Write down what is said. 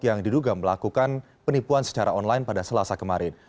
yang diduga melakukan penipuan secara online pada selasa kemarin